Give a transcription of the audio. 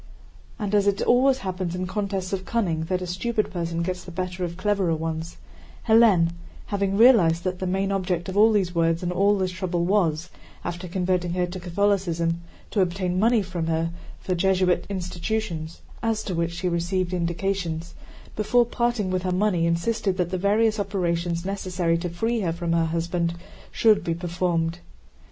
And as it always happens in contests of cunning that a stupid person gets the better of cleverer ones, Hélène—having realized that the main object of all these words and all this trouble was, after converting her to Catholicism, to obtain money from her for Jesuit institutions (as to which she received indications)—before parting with her money insisted that the various operations necessary to free her from her husband should be performed.